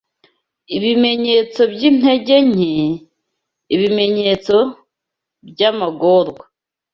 Ibimenyetso byintege nke, ibimenyetso byamagorwa